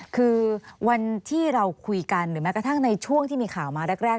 คือวันที่เราคุยกันหรือแม้กระทั่งในช่วงที่มีข่าวมาแรก